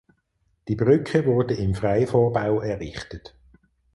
Die Brücke wurde im Freivorbau errichtet.